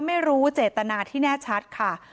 อาหารบอกว่าไม่รู้เจตนาที่แน่ชัดค่ะ